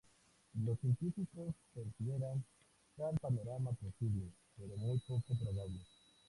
Los científicos consideran tal panorama posible, pero muy poco probable.